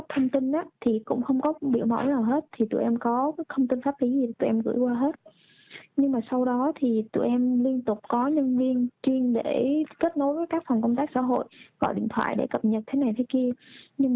thông tin bệnh nhân